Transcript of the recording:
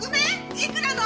いくらの？